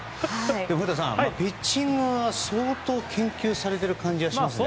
でも古田さん、ピッチングは相当研究されている感じがしますね。